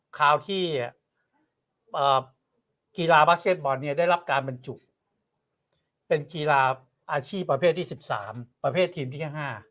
คราวที่กีฬาบาสเก็ตบอลเนี่ยได้รับการบรรจุเป็นกีฬาอาชีพประเภทที่๑๓ประเภททีมที่แค่๕